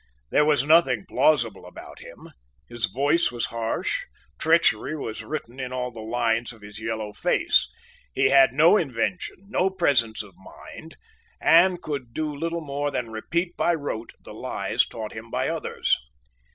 There was nothing plausible about him. His voice was harsh. Treachery was written in all the lines of his yellow face. He had no invention, no presence of mind, and could do little more than repeat by rote the lies taught him by others.